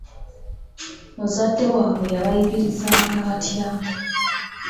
Muzadde waabwe yabayigirizanga atya?